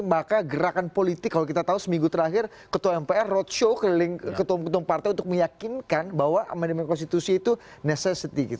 maka gerakan politik kalau kita tahu seminggu terakhir ketua mpr roadshow keliling ketua ketua partai untuk meyakinkan bahwa amandemen konstitusi itu necessity